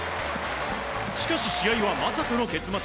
しかし試合はまさかの結末。